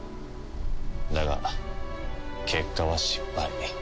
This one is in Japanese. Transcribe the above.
だが結果は失敗。